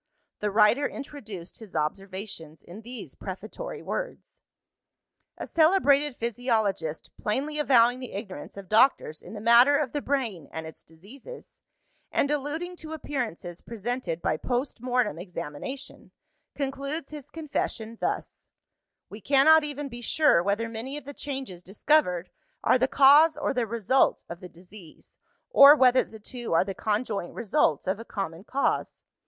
The writer introduced his observations in these prefatory words: "A celebrated physiologist, plainly avowing the ignorance of doctors in the matter of the brain and its diseases, and alluding to appearances presented by post mortem examination, concludes his confession thus: 'We cannot even be sure whether many of the changes discovered are the cause or the result of the disease, or whether the two are the conjoint results of a common cause.